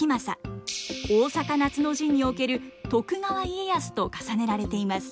大坂夏の陣における徳川家康と重ねられています。